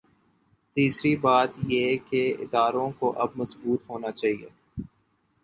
تیسری بات یہ کہ اداروں کو اب مضبوط ہو نا چاہیے۔